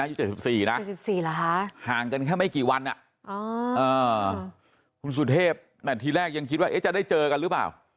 อายุ๗๔นะ๗๔เหรอคะห่างกันแค่ไม่กี่วันคุณสุเทพทีแรกยังคิดว่าจะได้เจอกันหรือเปล่า